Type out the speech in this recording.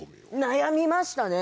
悩みましたね。